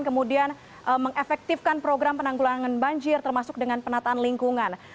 kemudian mengefektifkan program penanggulangan banjir termasuk dengan penataan lingkungan